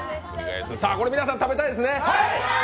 これ皆さん、食べたいですね